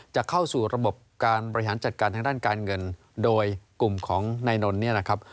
จะเข้าสู่ระบบการบริหารจัดการทางด้านการเงินโดยกลุ่มของนายนนท์เนี่ยนะครับ